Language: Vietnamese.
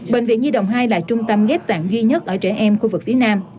bệnh viện nhi đồng hai là trung tâm ghép tạng duy nhất ở trẻ em khu vực phía nam